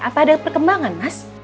apa ada perkembangan mas